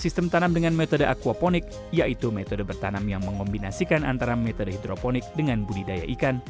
sistem tanam dengan metode aquaponik yaitu metode bertanam yang mengombinasikan antara metode hidroponik dengan budidaya ikan